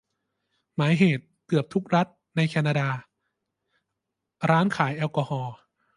หมายเหตุ : เกือบทุกรัฐในแคนาดา ร้านขายแอลกอฮอล์